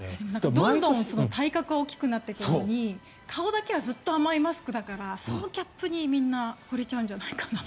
どんどん体格が大きくなっていくのに顔だけはずっと甘いマスクだからそのギャップにみんなほれちゃうんじゃないかなと。